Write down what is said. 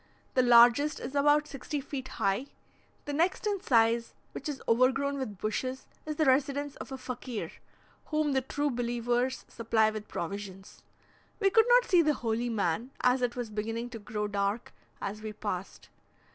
The largest is about sixty feet high; the next in size, which is overgrown with bushes, is the residence of a Fakir, whom the true believers supply with provisions. We could not see the holy man, as it was beginning to grow dark as we passed.